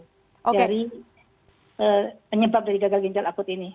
dari penyebab dari gagal ginjal akut ini